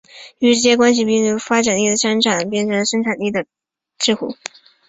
于是这些关系便由生产力的发展形式变成生产力的桎梏。